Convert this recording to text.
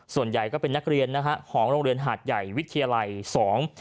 ส่วนใหญ่ก็เป็นนักเรียนนะฮะของโรงเรียนหาดใหญ่วิทยาลัยสอง